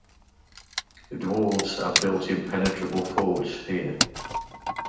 The dwarves have built impenetrable forts here.